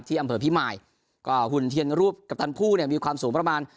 อำเภอพิมายก็หุ่นเทียนรูปกัปตันผู้เนี่ยมีความสูงประมาณ